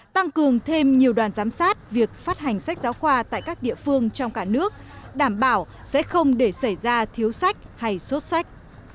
tăng cường thêm nhiều đoàn giám sát việc phát hành sách giáo khoa tại các địa phương trong cả nước đảm bảo sẽ không để xảy ra thiếu sách hay sốt sách